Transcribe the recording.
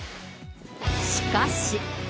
しかし。